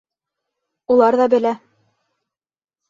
Улар ҙа белә.